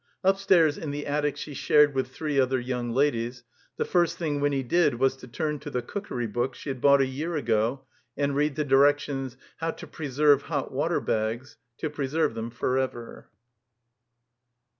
Upstairs, in the attic she shared with three other young ladies, the first thing Winny did was to turn to the Cookery Book she had bought a year ago and read the directions: How to Preserve Hot Water Bags" — ^to preserve them forever.